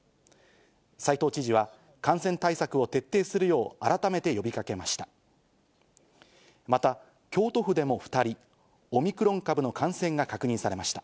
斎藤知事は感染対策を徹底するよう、改めて呼びかけました。